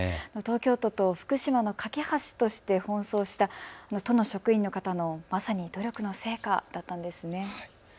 東京都と福島の懸け橋として奔走した都の職員の方のまさに努力の成果だったんですね。